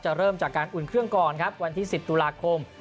เริ่มจากการอุ่นเครื่องก่อนครับวันที่๑๐ตุลาคม